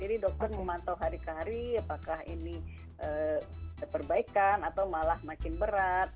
jadi dokter memantau hari ke hari apakah ini terperbaikan atau malah makin berat